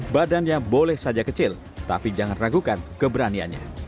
badannya boleh saja kecil tapi jangan ragukan keberaniannya